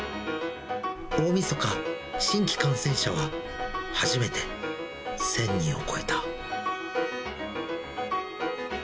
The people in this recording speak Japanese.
大みそか、新規感染者は初めて１０００人を超えた。